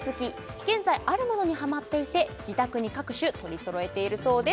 現在あるものにハマっていて自宅に各種取りそろえているそうです